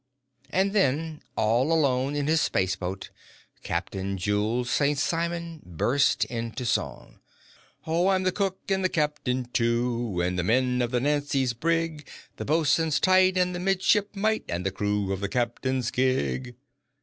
And then, all alone in his spaceboat, Captain Jules St. Simon burst into song: "Oh, I'm the cook and the captain, too, And the men of the Nancy's brig; The bosun tight, and the midshipmite, And the crew of the captain's gig!"